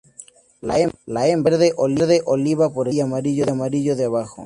La hembra es verde oliva por encima y amarillo de abajo.